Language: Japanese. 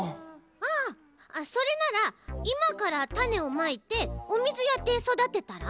ああそれならいまからたねをまいておみずやってそだてたら？